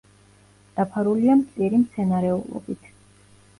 დაფარულია მწირი მცენარეულობით.